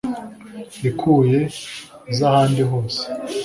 ikuye iza handi hose